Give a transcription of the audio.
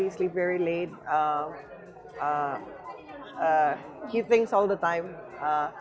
dia berpikir selama lamanya